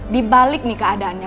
di balik nih keadaannya